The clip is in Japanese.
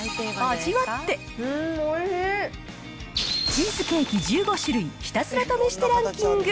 チーズケーキ１５種類ひたすら試してランキング。